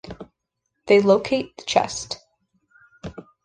They locate the chest.